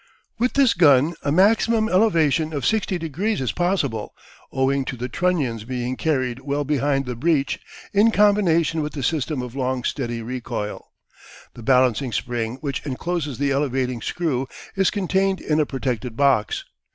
With this gun a maximum elevation of 60 degrees is possible, owing to the trunnions being carried well behind the breech in combination with the system of long steady recoil. The balancing spring which encloses the elevating screw is contained in a protected box.